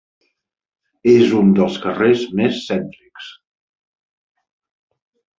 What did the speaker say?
És un dels carrers més cèntrics.